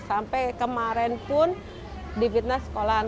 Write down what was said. sampai kemarin pun di fitnah sekolah